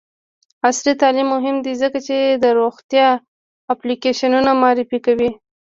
عصري تعلیم مهم دی ځکه چې د روغتیا اپلیکیشنونه معرفي کوي.